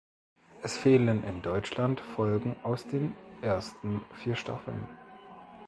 Es fehlen in Deutschland Folgen aus den ersten vier Staffeln.